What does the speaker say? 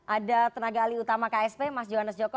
ada tenaga alih utama ksp mas johannes joko